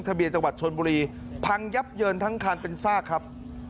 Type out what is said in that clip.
เบียจังหวัดชนบุรีพังยับเยินทั้งคันเป็นซากครับ